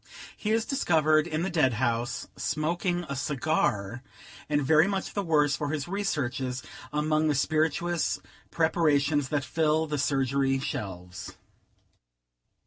He is discovered in the dead house, smoking a cigar, and very much the worse for his researches among the spirituous preparations that fill the surgery shelves.